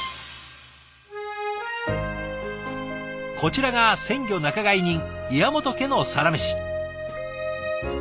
こちらが鮮魚仲買人岩本家のサラメシ。